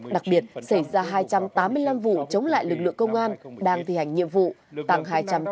đặc biệt xảy ra hai trăm tám mươi năm vụ chống lại lực lượng công an đang thi hành nhiệm vụ tăng hai trăm ba mươi